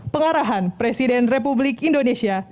pengarahan presiden republik indonesia